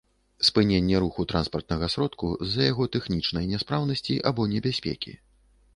спыненне руху транспартнага сродку з-за яго тэхнічнай няспраўнасці або небяспекі